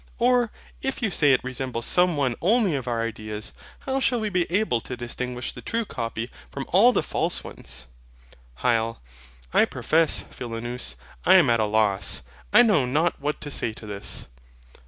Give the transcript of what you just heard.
Or, if you say it resembles some one only of our ideas, how shall we be able to distinguish the true copy from all the false ones? HYL. I profess, Philonous, I am at a loss. I know not what to say to this.